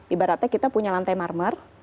ibaratnya kita punya lantai marmer